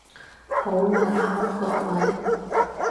好胃口各位！